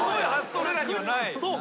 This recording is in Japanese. そう。